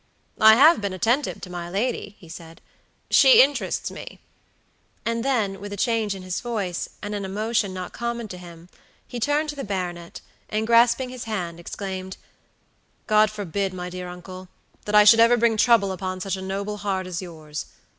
"I have been attentive to my lady," he said. "She interests me;" and then, with a change in his voice, and an emotion not common to him, he turned to the baronet, and grasping his hand, exclaimed, "God forbid, my dear uncle, that I should ever bring trouble upon such a noble heart as yours!